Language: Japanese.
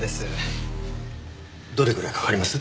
どれぐらいかかります？